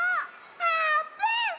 あーぷん！